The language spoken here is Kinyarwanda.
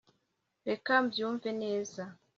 Reka mbyumve neza